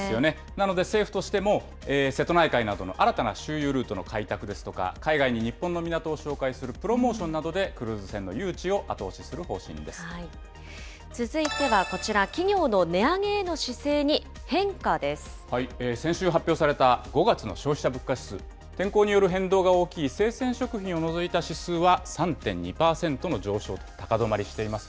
なので政府としても、瀬戸内海などの新たな周遊ルートの開拓ですとか、海外に日本の港を紹介するプロモーションなどでクルーズ船の誘致続いてはこちら、企業の値上先週発表された５月の消費者物価指数、天候による変動が大きい生鮮食品を除いた指数は３．２％の上昇と高止まりしています。